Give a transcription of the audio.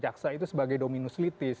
kejaksaan itu sebagai dominus litis